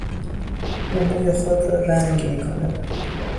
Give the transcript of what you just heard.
او موی خود را رنگ میکند؟